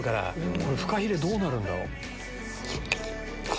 このフカヒレどうなるんだろう？